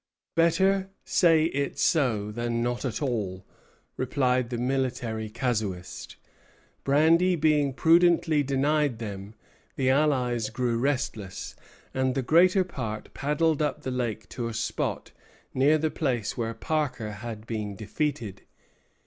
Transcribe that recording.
"Better say it so than not at all," replied the military casuist. Brandy being prudently denied them, the allies grew restless; and the greater part paddled up the lake to a spot near the place where Parker had been defeated.